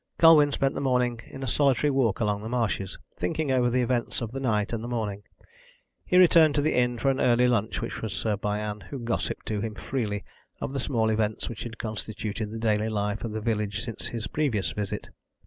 Colwyn spent the morning in a solitary walk along the marshes, thinking over the events of the night and morning. He returned to the inn for an early lunch, which was served by Ann, who gossiped to him freely of the small events which had constituted the daily life of the village since his previous visit.